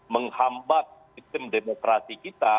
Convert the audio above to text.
menghambat sistem demokrasi kita